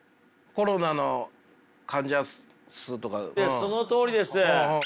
ええそのとおりです。